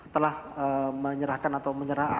telah menyerahkan atau menyerahkan